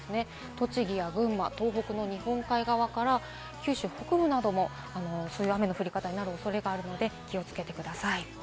栃木、群馬、東北の日本海側から九州北部なども強い雨の降り方になる恐れがありますので気をつけてください。